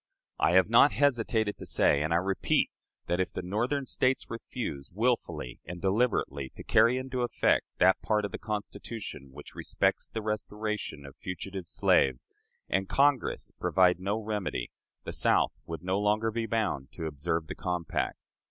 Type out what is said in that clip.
"I have not hesitated to say, and I repeat, that, if the Northern States refuse, willfully and deliberately, to carry into effect that part of the Constitution which respects the restoration of fugitive slaves, and Congress provide no remedy, the South would no longer be bound to observe the compact.